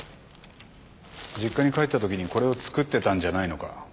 実家に帰ったときにこれを作ってたんじゃないのか？